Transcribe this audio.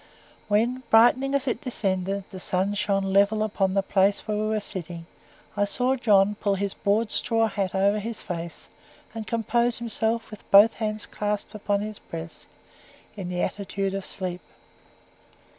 When, brightening as it descended, the sun shone level upon the place where we were sitting, I saw John pull his broad straw hat over his face, and compose himself, with both hands clasped upon his breast, in the attitude of sleep.